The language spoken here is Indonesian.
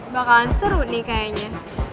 bakalan seru nih kayaknya